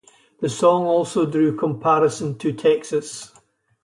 The song also drew comparison to Texas.